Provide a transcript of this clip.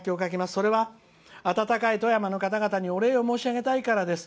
それは温かい富山の方にお礼を申し上げたいからです。